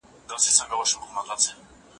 هغه غوښتل چي د موضوع په اړه یوه پراخه څېړنه وکړي.